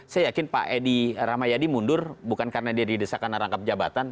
saya yakin pak edi ramayadi mundur bukan karena dia didesak karena rangkap jabatan